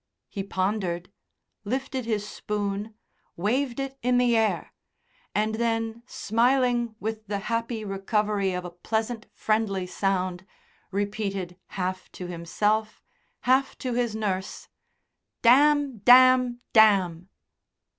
He pondered, lifted his spoon, waved it in the air; and then smiling with the happy recovery of a pleasant, friendly sound, repeated half to himself, half to his nurse: "Damn! Damn! Damn!"